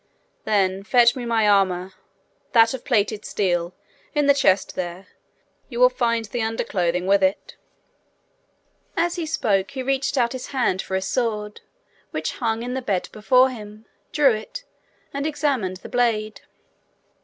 'Then fetch me my armour that of plated steel, in the chest there. You will find the underclothing with it.' As he spoke, he reached out his hand for his sword, which hung in the bed before him, drew it, and examined the blade.